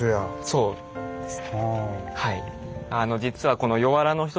そうです。